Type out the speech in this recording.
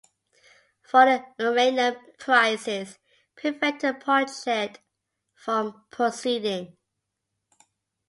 Falling uranium prices prevented the project from proceeding.